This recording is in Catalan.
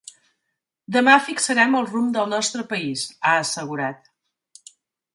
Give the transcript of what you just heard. Demà fixarem el rumb del nostre país, ha assegurat.